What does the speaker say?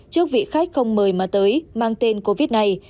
trước vị khách không mời mà tới mang tên covid này